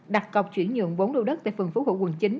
đặt cọc chuyển nhượng bốn đô đất tại phường phú hữu quận chín